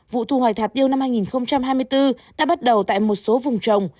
vụ thu hoạch tiêu năm hai nghìn hai mươi bốn đã bắt đầu tại một số vùng trồng